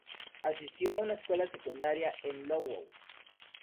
Asistió a una escuela secundaria en Lwów.